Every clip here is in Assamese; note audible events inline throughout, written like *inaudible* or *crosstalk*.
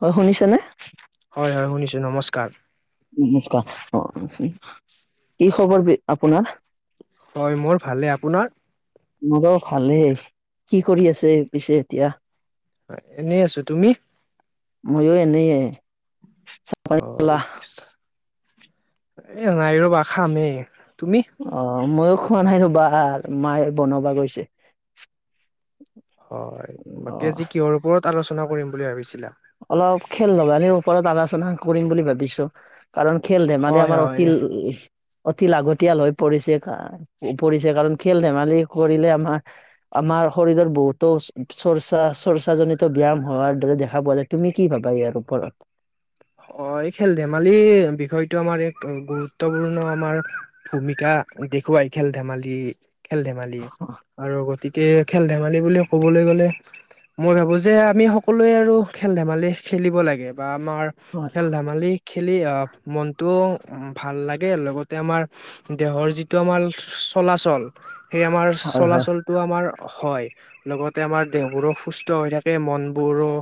হয় শুনিছে নে? হয় হয়, শুনিছো নমস্কাৰ। নমস্কাৰ অ কি খবৰ আপোনাৰ? হয় মোৰ ভালে আপোনাৰ? মোৰ বাৰু ভালে। কি কৰি আছে পিছে এতিয়া? এনেই আছো তুমি? ময়ো এনেয়ে। অ' এ নাই ৰবা খামহে। অ' ময়ো খোৱা নাই ৰবা মায়ে বনবা গৈছে। হয়। অ বাকী আজি কিহৰ ওপৰত আলোচনা কৰিম বুলি ভাবিছিলা? অলপ খেল *unintelligible* ওপৰত আলোচনা কৰিম বুলি ভাবিছোঁ। কাৰণ খেল ধেমালি হয় আমাৰ হয় অতিল অতি লাগতিয়াল হৈ পৰিছে - পৰিছে কাৰণ খেল ধেমালি কৰিলে আমাৰ আম মাৰ শৰীৰৰ বহুতো চৰ্চা - চৰ্চা জনিত ব্যায়াম হোৱাৰ দৰে দেখা পোৱা যায়। তুমি কি ভাবা ইয়াৰ ওপৰত? অ' এই খেল ধেমালি বিষয়টো আমাৰ এক গুৰুত্বপূৰ্ণ আমাৰ ভূমিকা। দেখুৱাই খেল ধেমালি - খেল ধেমালি আৰু গতিক কে খেল ধেমালি বুলি ক'বলৈ গ'লে মই ভাবো যে আমি সকলোৱে আৰু খেল ধেমালি খেলিব লাগে বা আমাৰ হয় খেল ধেমালি খেলি অহ মনটো উম, ভাল লাগে লগতে আমাৰ দেহৰ যিটো আমাৰ চলাচল সেই আমাৰ হয় হয় চলাচলটো আমাৰ হয় লগতে আমাৰ দেহবোৰো সুস্থ হৈ থাকে মনবোৰো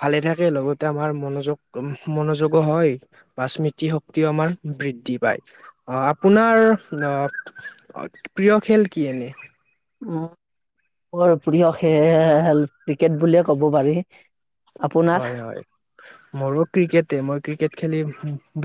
ভালে থাকে লগতে আমাৰ মনোযোগ মনোযোগো হয় বা স্মৃতি শক্তিও আমাৰ বৃদ্ধি পায় অ আপোনাৰ অ প্ৰিয় খেল কি এনে? উম মোৰ প্ৰিয় খেল ক্ৰিকেট বুলিয়ে ক'ব পাৰি। আপোনাৰ হয় হয় মোৰো ক্ৰিকেট তে মই ক্ৰিকেট খেলি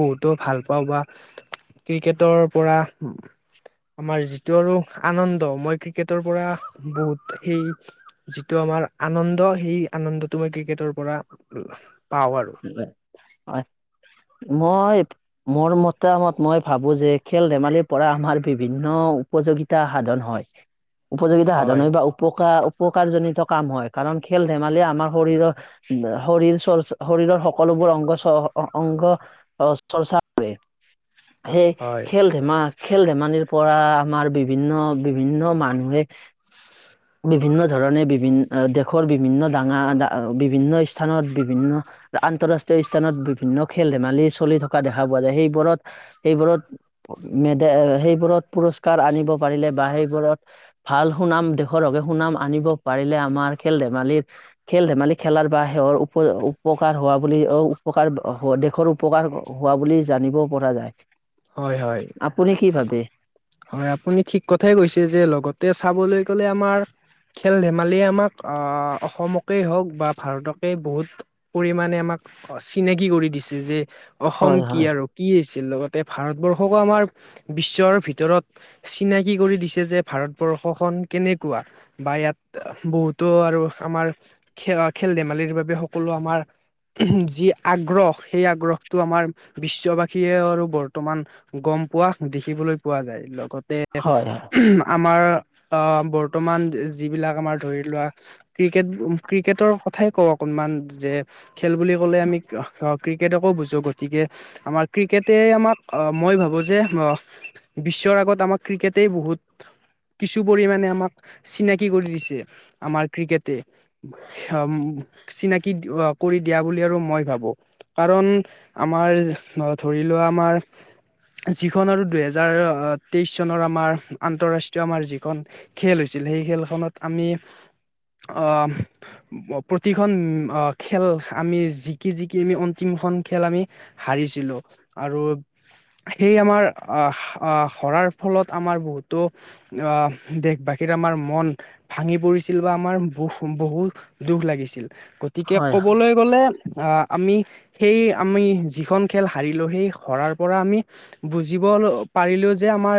বহুতো ভাল পাওঁ বা ক্ৰিকেটৰ পৰা আমাৰ যিটো আৰু আনন্দ মই ক্ৰিকেটৰ পৰা বহুত সেই যিটো তোমাৰ আনন্দ সেই আনন্দ তো মই ক্ৰিকেটৰ পৰা পাওঁ আৰু। হয় মই মোৰ মতামত মই ভাবো যে খেল ধেমালিৰ পৰা আমাৰ বিভিন্ন উপযোগিতা সাধন হয় উপযোগিতা সাধন হয় বা উপকাৰ উপকাৰজনিত কাম হয় কাৰণ খেল ধেমালি আমাৰ শৰীৰৰ শৰীৰ চৰ্চ শৰীৰৰ সকলোবোৰ অংগ অংগ চৰ্চা কৰে। সেই হয় খেল ধেমালিত খেল ধেমালিৰ পৰা আমাৰ বিভিন্ন বিভিন্ন মানুহে বিভিন্ন ধৰণে বিভিন্ন দেশৰ বিভিন্ন ডাঙৰ বিভিন্ন স্থানত বিভিন্ন আন্তৰাষ্ট্ৰীয় স্থানত বিভিন্ন খেল ধেমালি চলি থকা দেখা পোৱা যায় সেইবোৰত সেইবোৰত মেড সেইবোৰত পুৰস্কাৰ আনিব পাৰিলে বা সেইবোৰত ভাল সুনাম দেশৰ সুনাম আনিব পাৰিলে আমাৰ খেল ধেমালি খেল ধেমালি খেলাৰ বা সেৰ উপ উপকাৰ হোৱা বুলি অ উপকাৰ দেশৰ উপকাৰ হোৱা বুলি জানিব পৰা যায় হয় হয়। আপুনি কি ভাবে হয় আপুনি ঠিক কথাই কৈছে যে লগতে চাবলৈ গ'লে। আমাৰ খেল ধেমালি আমাক অ অসমকেই হওঁক বা ভাৰতকে বহুত পৰিমাণে আমাক চিনাকি কৰি দিছে যে অসম হয় কি হয় আৰু কি হৈছিল লগত। ভাৰতবৰ্ষকো আমাৰ বিশ্বৰ ভিতৰত চিনাকি কৰি দিছে যে ভাৰতবৰ্ষখন কেনেকুৱা বা ইয়াত বহুতো আৰু আমাৰ খ খেল ধেমালিৰ বাবে সকলো আমাৰ যি আগ্ৰহ সেই আগ্ৰহটো আমাৰ বিশ্ববাসীয়ে আৰু বৰ বৰ্তমান গম পোৱা দেখিবলৈ পোৱা যায় লগতে হয় হয় আমাৰ অ বৰ্তমান যিবিলাক আমাৰ ধৰি লোৱা ক্ৰিকেট ক্ৰিকেটৰ কথা কওঁ অকনমান যে খেল বুলি ক'লে আমি ক্ৰিকেটকো বুজো গতিকে আমাৰ ক্ৰিকেটে আমাক মই ভাবো যে বিশ্বৰ আগত আমাক ক্ৰিকেটেই বহুত কিছু পৰিমাণে আমাক চিনাকি কৰি দিছে আমাৰ ক্ৰিকেটে চিনাকি কৰি দিয়া বুলি আৰু মই ভাবো কাৰণ আমাৰ ধৰি তি লোৱা আমাৰ *inaudible* যিখন আৰু দুহেজাৰ তেইশ চনৰ আমাৰ আন্তৰাষ্ট্ৰীয় আমাৰ যিখন খেল হৈছিল সেই। স খেলখনত আমি আহ প্ৰতিখন খেল আমি য কি যিক কি আমি অন্তিম। এখন খেল আমি হাৰিছিলো আৰু *inaudible* সেই আমাৰ আহ সৰাৰ ফলত আমাৰ বহুতো আহ দেশবাসীৰ আমাৰ আমাৰ মন ভাঙি পৰিছিল বা আমাৰ দুখ বহু দুখ লাগিছিল। গতিকে হয় ক'বলৈ গ'লে। অঁ আমি সেই আমি যিখন খেল হাৰিলো সেই হৰাৰ পৰা আমি বুজিব পাৰিলোও যে আমাৰ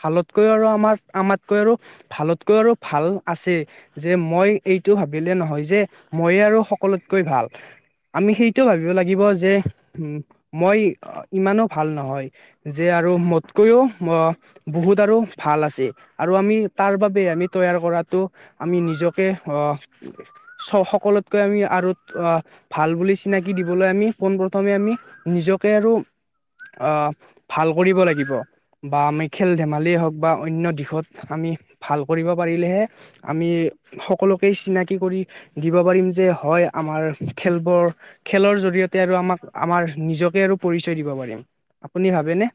ভালতকৈও আৰু আমাৰ আমাতকৈ আৰু ভালতকৈ আৰু ভাল আছে যে মই এইটো ভাবিলে নহয় যে মইে আৰু সকলো। সেই ভালটকৈ ভাল আমি সেইটোৱেই ভাবিব লাগিব যে মই মানে। ভাল নহয় যে আৰু মোতকৈও বহুত আৰু ভাল আছে আৰু আমি তাৰ বাবে আমি তৈয়াৰ কৰাটো আমি নিজকে অঁ চ সকলোতকৈ আমি আৰু আহ ভাল বুলি চিনাকি দিবলৈ আমি পোন প্ৰ্থমে আমি নিজকে আৰু আঁহ ভাল কৰিব লাগিব। বা আমি খেল ধেমালিয় হওক বা অনন্য দিশত। আমি ভাল কৰিব পাৰিলেহে, আমি সকলোকেই চিনাকি কৰি দিব পাৰিম যে। হয় আমাৰ খেলবোৰ খেলৰ জৰিয়তে আৰু আমাক আমাৰ নিজকে আৰু পৰিচয় দিব পাৰে আপুনি ভাবেনে?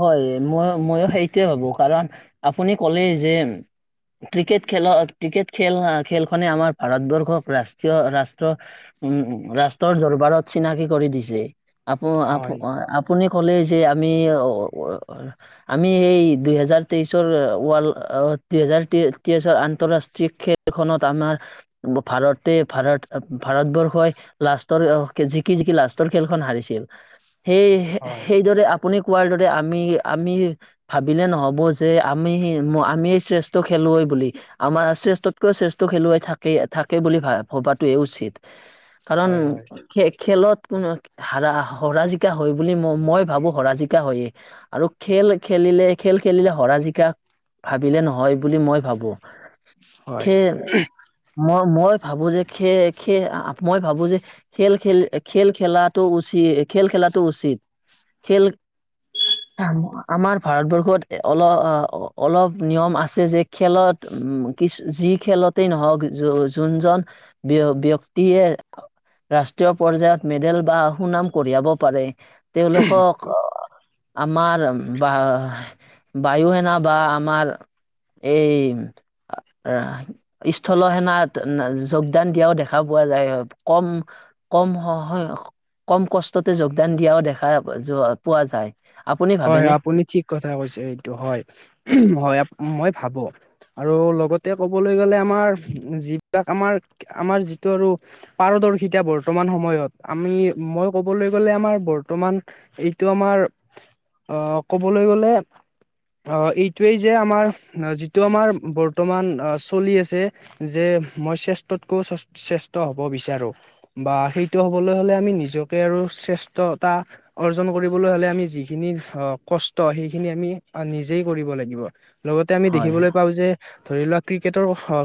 হয় মই মইয়ো সেইটোৱে ভাবো কাৰণ আপুনি ক'লে যে ক্ৰিকেট খেলত ক্ৰিকেট খেল খেলখনে আমাৰ ভাৰতবৰ্ষক ৰাষ্ট্ৰীয় ৰাষ্ট্ৰীয় উম উম ৰাষ্টৰ দৰবাৰত চিনাকি কৰি দিছে। আপু আপু হয় আপুনি ক'লেই যে আমি আমি সেই দুহেজাৰ তেইশৰ ৱাল দুহেজাৰ যে তেইছৰ আন্তৰাষ্ট্ৰীয় খেলখনত আমাৰ ভাৰতে ভাৰত ভাৰতবৰ্ষই লা লাষ্টৰ জিকি জিকি লাষ্টৰ খেলখন হাৰিছিল সেই হয় সেইদৰে আপুনি কোৱাৰ আমি আমি ভাবিলে নহব যে আমি আমি শ্ৰেষ্ঠ খেলুৱৈ বুলি আমাৰ শ্ৰেষ্ঠতকৈও শ্ৰেষ্ঠ খেলুৱৈ থাকে থাকে বুলি ভ ভবাতয়ে উচিত। কাৰণ হয় হয় খে খেলত কোন হৰা হৰা জিকা হয় বুলি মই মই ভাবো হৰা জিকা হয়ে। আৰু খেল খেলিলে খেল খেলিলে হৰা জিকা ভাবিলে নহয় বুলি মই ভাবো হয় সে মই মই ভাবো যে খে খে মই ভাবো যে খেল খেল খেল খেলাটো উচিত। খেল খেলাটো উচিত খেল আমাৰ ভাৰতবৰ্ষত অলপ অলপ নিয়ম আছে যে খেলত উ কি যি খেলতেই নহওক যোনজন ব্য ব্যক্তিয়ে ৰাষ্ট্ৰীয় পৰ্যায়ত মেডেল বা সুনাম কঢ়িয়াব পাৰে তেওঁলোকক আমাৰ বা বায়ু সেনা বা আমাৰ এই স্থল সেনাত যোগদান দিয়াও দেখা পোৱা পোৱা যায় কম কম হয় কম কষ্টতে যোগদান দিয়াও দেখা যোৱা পোৱা যায়। আপুনি হয় ভাবেনে হয় আপুনি ঠিক কথা কৈছে। এইটো হয় হয় মই ভাবো আৰু লগতে ক'বলৈ গ'লে আমাৰ যিবিলাক আমাৰ আমাৰ যিটো আৰু পাৰদৰ্শিতা বৰ্তমান সময়ত আমি, মই ক'বলৈ গ'লে আমাৰ বৰ্তমান এইটো আমাৰ আহ ক'বলৈ গলে অ এইটোৱেই যে আমাৰ যিটো আমাৰ বৰ্তমান চলি আছে যে মই শ্ৰেষ্ঠতকৈ শ্ৰেষ্ঠ হব বিচাৰো বা সেইটো হবলৈ হলে আমি নিজকে আৰু শ্ৰেষ্ঠতা অৰ্জন কৰিবলৈ হ'লে আমি যি যিখিনি কষ্ট সেইখিনি আমি নিজেই কৰিব লাগিব। লগতে আমি হয় দেখিবলৈ পাওঁ যে ধৰি লোৱা ক্ৰিকেটৰ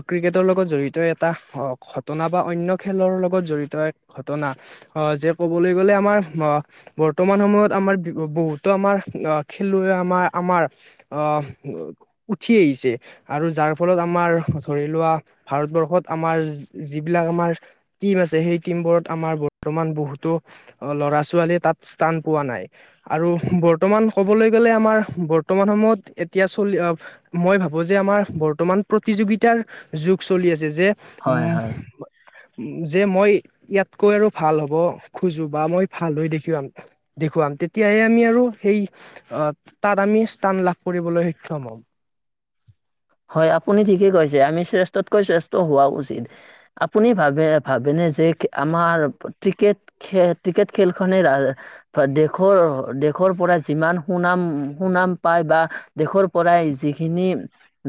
ক্ৰিকেটৰ লগত জড়িত এটা ঘটনা বা অন্য খেলৰ লগত জড়িত ঘটনা আহ যে ক'বলৈ গ'লে আমাৰ বৰ্তমান সময়ত আমাৰ বহুত ত আমাৰ খেলুৱৈ আমাৰ আমাৰ অ উঠি আহিছে আৰু তাৰ ফলত আমাৰ ধৰি লোৱা ভাৰতবৰ্ষত আমাৰ যিবিলাক আমাৰ টিম আছে সেই টীম বোৰত আমাৰ বৰ্তমান বহুতো ল'ৰা ছোৱালীয়ে তাত স্থান পোৱা নাই আৰু বৰ্তমান ক'বলৈ গ'লে আমাৰ বৰ্তমান সময়ত এতিয়া চলি মই ভাবো যে আমাৰ বৰ্তমান প্ৰতিযোগিতাৰ যুগ চলি আছে যে হয় উম হয় উ যে মই ইয়াতকৈ আৰু ভাল হ'ব খোজো বা মই ভাল হৈ দেখাম দেখুৱাম তেতিয়াহে আমি আৰু সেই তাত আমি স্থান লাভ কৰিবলৈ সক্ষম হম। হয় আপুনি ঠিকে কৈছে, আমি শ্ৰেষ্ঠতকৈ শ্ৰেষ্ঠ হোৱা উচিত। আপুনি ভাবে ভাবেনে আমাৰ ক্ৰিক ক্ৰিকেট খেলখনে দেশৰ দেশৰ পৰা যিমান সুনাম সুনাম পায় বা দেশৰ পৰাই যিখিনি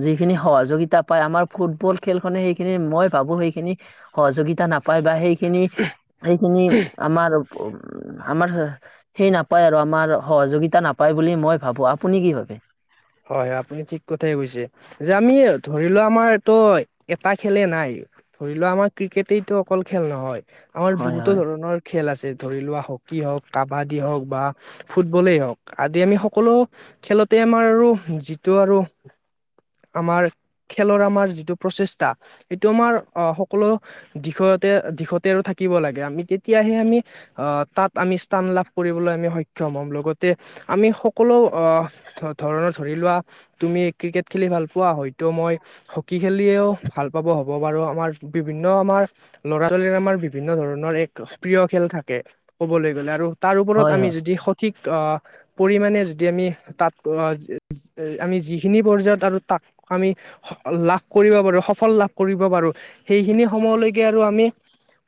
যিখিনি সহযোগিতা পাই আমাৰ ফুটবল খেলখনে সেইখিনি মই ভাবো সেইখিনি সহযোগিতা নাপায়। পায় বা সেইখিনি সেইখিনি আমাৰ আমাৰ সেই নাপায় আৰু আমাৰ সহযোগিতা নাপায় বুলি মই ভাবো। আপুনি কি ভাবে? হয় হয় আপুনি ঠিক কথাই কৈছে। যে আমি ধৰি লোৱা আমাৰ ত এটা খেলে নাই ধৰি লোৱা আমাৰ ক্ৰিকেটেইটো অকল খেল নহয়, আমাৰ হয় বহুতো হয় ধৰণৰ খেল আছে। ধৰি লোৱা হকী হওক, কাবাদী হওক বা ফুটবলেই হওক আদি আমি সকলো খেলতে আমাৰ আৰু যিটো আৰু আমাৰ খেলৰ আমাৰ যিটো প্ৰচেষ্টা সেইটো আমাৰ আহ সকলো দিশত দিশতেৰ থাকিব লাগে আমি তেতিয়াহে আমি আহ তাত আমি স্থান লাভ কৰিবলৈ আমি সম ম হ'ম লগতে আমি সকলো অ ধৰণৰ ধৰি লোৱা তুমি ক্ৰিকেট খেলি ভাল পোৱা, হয়তো মই হকী খেলিয়েও ভাল পাব হ'ব পাৰ- আমাৰ বিভিন্ন আমাৰ ল'ৰা ছোৱালীৰৰে আমাৰ বিভিন্ন ধৰণৰ এক প্ৰিয় খেল থাকে। ক'বলৈ গ'লে আৰু তাৰ ওপৰত হয় আমি হয় যদি সঠিক অ পৰিমণে যদি আমি তাত আমি যিখিনি পৰ্যায়ত আৰু তাক আমি লাভ কৰিব পাৰো সফল লাভ কৰিব পাৰ আৰু সেইখিনি সময়লৈকে আৰু আমি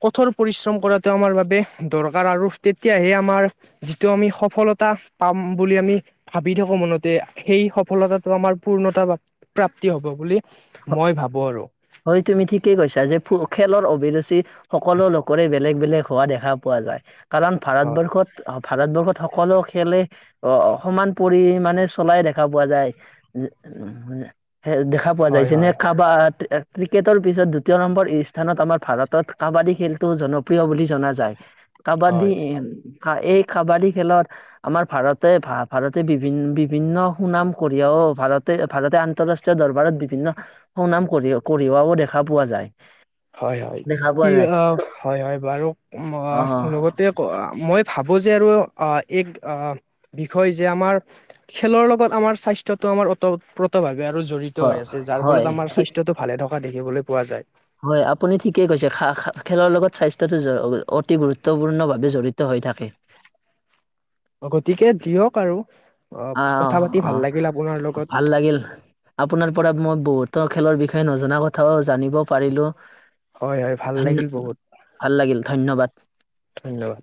কঠোৰ পৰিশ্ৰম কৰাটো আমাৰ বাবে দৰকাৰ আৰু তেতিয়াহে আমাৰ যিটো আমি সফলতা পাম বুলি আমি ভাবি থাকো মনতে সেই সফলতাটো আমাৰ পূৰ্ণতা প্ৰাপ্তি হব বুলি মই ভাবো আৰু হয় তুমি ঠিকেই কৈছা যে খেলৰ অভিৰুচি সকলো লোকৰে বেলেগ বেলেগ হোৱা দেখা পোৱা যায়। কাৰণ হয় ভাৰতবৰ্ষত ভাৰতবৰ্ষত সকলো খেলে অ সমান পৰিমাণে চলাই দেখা পোৱা যায়। সে দেখা পোৱা যায় হয় যে ন হয় কাবাড ক্ৰিকেটৰ পিছত দ্বিতীয় নম্বৰ স্থানত আমাৰ ভাৰতত কাবাডী খেলটো জনপ্ৰিয় বুলি জনা যায়। কাবাডী হয় এই কাবাডী খেলত আমাৰ ভাৰতে ভা ভাৰতে বিভিন বিভিন্ন সুনাম কঢ়িয়াইও ভাৰতে ভাৰতে আন্তঃৰাষ্ট্ৰীয় দৰবাৰত বিভিন্ন সুনাম কৰি কঢ়িওৱাও দেখা পোৱা যায়। হয় হয় দেখা পোৱা কি যায় হয় হয় বাৰু অ লগতে মই ভাবোঁ যে আৰু এক বিষয় যে আমাৰ খেলৰ লগত আমাৰ স্বাস্থ্যটো আমাৰ ওতঃপ্ৰত ভাৱে আৰু জড়িত হয় হৈ আছে যাৰ হয় ফলত আমাৰ ঠিক স্বাস্থ্যটো ভালে থকা দেখিবলৈ পোৱা যায়। হয় আপুনি ঠিকেই কৈছে। খা খা খেলৰ লগত স্বাস্থ্যটো অতি গুৰুত্বপূৰ্ণভাৱে জড়িত হৈ থাকে। অ গতিকে দিয়ক আৰু অ কথা পাতি অ ভাল লাগিল আপোনাৰ অ লগত ভাল লাগিল আপোনাৰ পৰা মই বহুত খেলৰ বিষয়ে নজনা কথাও জানিব পাৰিলোঁ। হয় হয় ভাল ধন্য লাগিল বহুত ভাল লাগিল ধন্যবাদ। ধন্যবাদ